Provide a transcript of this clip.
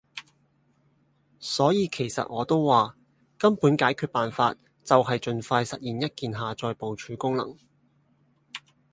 所以其實我都話，根本解決辦法就係儘快實現一鍵下載部署功能